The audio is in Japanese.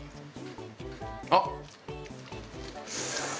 あっ！